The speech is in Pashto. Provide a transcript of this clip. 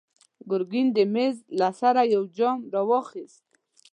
ګرګين د مېز له سره يو جام ور واخيست.